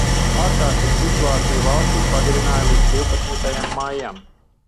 Ārkārtas situāciju valstī pagarināja līdz divpadsmitajam maijam.